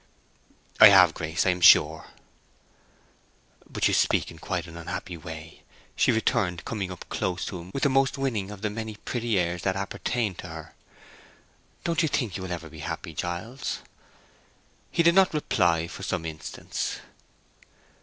"I have, Grace, I'm sure." "But you speak in quite an unhappy way," she returned, coming up close to him with the most winning of the many pretty airs that appertained to her. "Don't you think you will ever be happy, Giles?" He did not reply for some instants.